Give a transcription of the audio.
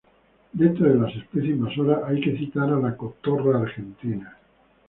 Dentro de las especies invasoras hay que citar a la cotorra argentina.